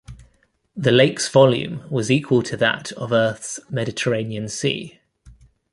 The lakes's volume was equal to that of Earth's Mediterranean Sea.